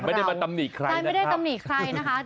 แต่ไม่ได้มาตำหนี่ใครนะคะ